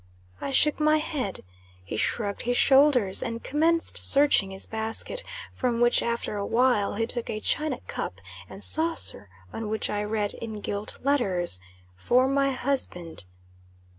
I shook my head. He shrugged his shoulders, and commenced searching his basket, from which, after a while, he took a china cup and saucer, on which I read, in gilt letters, "For my Husband."